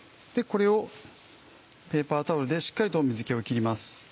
これをペーパータオルでしっかりと水気を切ります。